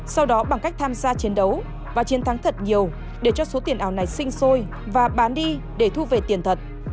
sau đó bằng cách tham gia chiến đấu và chiến thắng thật nhiều để cho số tiền ảo này sinh sôi và bán đi để thu về tiền thật